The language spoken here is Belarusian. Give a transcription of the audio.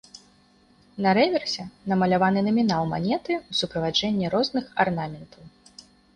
На рэверсе намаляваны намінал манеты ў суправаджэнні розных арнаментаў.